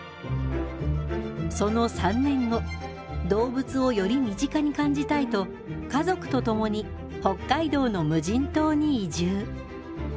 その３年後動物をより身近に感じたいと家族と共に北海道の無人島に移住。